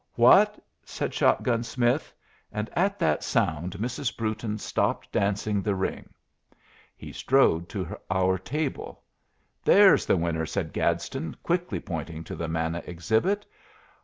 "What!" said Shot gun Smith; and at that sound Mrs. Brewton stopped dancing the ring. He strode to our table. "There's the winner," said Gadsden, quickly pointing to the Manna Exhibit.